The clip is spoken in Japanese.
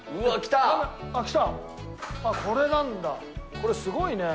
これすごいね。